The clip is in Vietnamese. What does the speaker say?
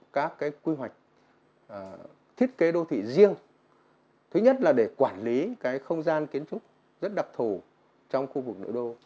các cái quy hoạch thiết kế đô thị riêng thứ nhất là để quản lý cái không gian kiến trúc rất đặc thù trong khu vực nội đô